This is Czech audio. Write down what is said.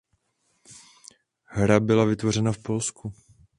Hra byla vytvořena v Polsku.